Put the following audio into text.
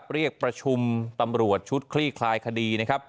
เรียกประชุมตำรวจชุดคลี่คลายคดีนะครับ